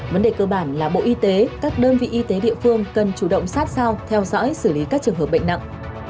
vấn đề cơ bản là bộ y tế các đơn vị y tế địa phương cần chủ động sát sao theo dõi xử lý các trường hợp bệnh nặng